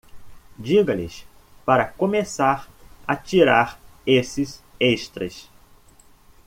Diga-lhes para começar a tirar esses extras.